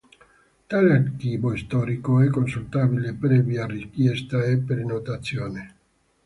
Tale Archivio Storico è consultabile previa richiesta e prenotazione.